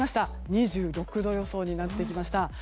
２６度予想になってきました。